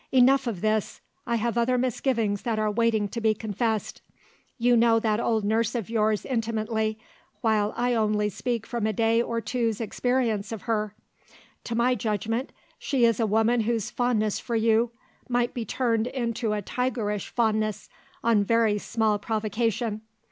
Enough of this! I have other misgivings that are waiting to be confessed. You know that old nurse of yours intimately while I only speak from a day or two's experience of her. To my judgment, she is a woman whose fondness for you might be turned into a tigerish fondness, on very small provocation.